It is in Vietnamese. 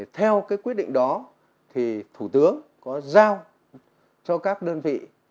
theo cái quyết định đó thì thủ tướng có giao các cơ sở sản xuất công nghiệp cơ sở y tế cơ sở đào tạo và các cơ quan đơn vị ở trong khu vực nội đô ra bên ngoài